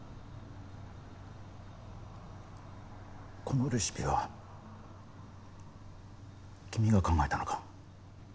このレシピは君が考えたのか？